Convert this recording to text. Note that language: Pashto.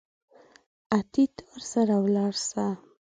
اتې ته ورسره ولاړ سه.